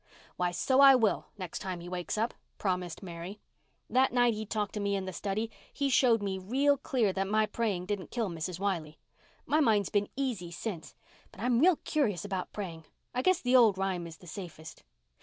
"Why, so I will, next time he wakes up," promised Mary. "That night he talked to me in the study he showed me real clear that my praying didn't kill Mrs. Wiley. My mind's been easy since, but I'm real cautious about praying. I guess the old rhyme is the safest.